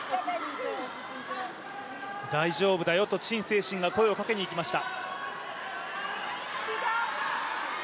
大丈夫だよと陳清晨が声をかけにいきました。